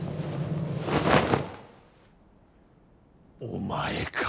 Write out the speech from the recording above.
お前か。